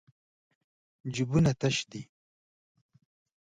جېبونه تش دي.